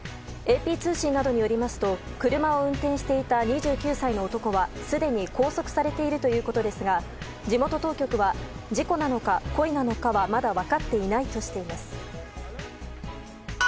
ＡＰ通信などによりますと車を運転していた２９歳の男はすでに拘束されているということですが地元当局は事故なのか故意なのかはまだ分かっていないとしています。